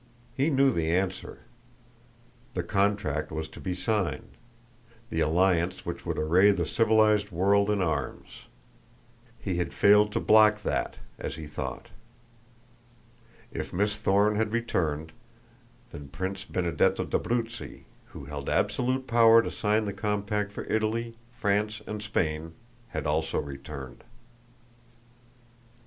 He knew the answer. The compact was to be signed the alliance which would array the civilized world in arms. He had failed to block that, as he thought. If Miss Thorne had returned, then Prince Benedetto d'Abruzzi, who held absolute power to sign the compact for Italy, France and Spain, had also returned.